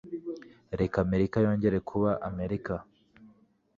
reka Amerika yongere kuba Amerika -